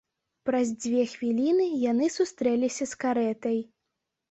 Праз дзве хвіліны яны сустрэліся з карэтай.